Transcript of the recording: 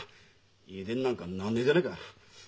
家出になんかなんねえでねえか。